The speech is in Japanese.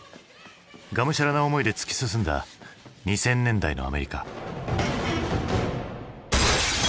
がむしゃらな思いで突き進んだ２０００年代のアメリカ。